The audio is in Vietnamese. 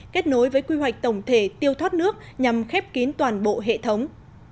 kết nối với quy hoạch tổng thể tiêu thoát nước nhằm khép kín toàn bộ hệ thống